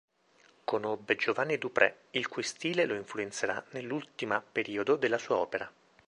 Conobbe Giovanni Duprè, il cui stile lo influenzerà nell'ultima periodo della sua opera.